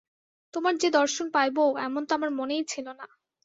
তোমার যে দর্শন পাইব এমন তো আমার মনেই ছিল না।